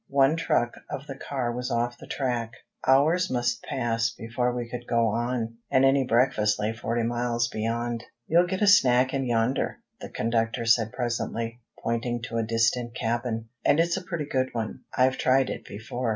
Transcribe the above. One truck of the car was off the track. Hours must pass before we could go on, and any breakfast lay forty miles beyond. "You'll get a snack in yonder," the conductor said presently, pointing to a distant cabin. "And it's a pretty good one. I've tried it before."